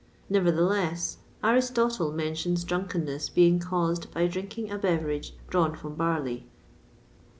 Nevertheless, Aristotle[XXVI 9] mentions drunkenness being caused by drinking a beverage drawn from barley.